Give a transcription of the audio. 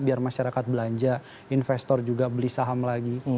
biar masyarakat belanja investor juga beli saham lagi